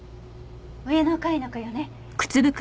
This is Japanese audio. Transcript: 上の階の子よね？